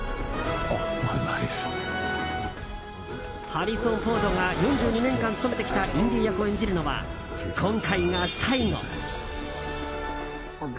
ハリソン・フォードが４２年間務めてきたインディ役を演じるのは今回が最後。